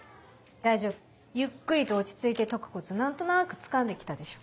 大丈夫ゆっくりと落ち着いて解くコツ何となくつかんで来たでしょ。